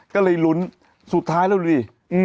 ก็เลยรุนสุดท้ายเริ่มดี